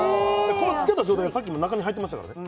これ付けた状態がさっきも中に入ってましたからね